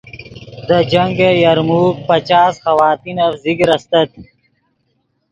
دے جنگ یرموک پچاس خواتینف ذکر استت